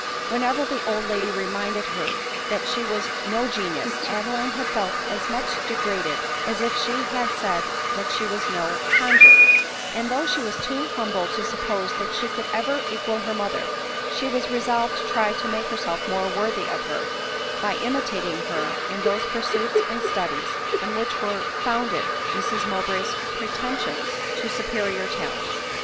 Whenever the old lady reminded her that she was no genius, Adeline had felt as much degraded as if she had said that she was no conjurer ; and though she was too humble to suppose that she could ever equal her mother, she was resolved to try to make herself more worthy of her, by imitating her in those pursuits and studies on which were founded Mrs Mow bray's pretensions to superior talents.